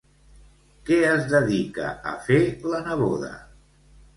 Què es dedica a fer la neboda?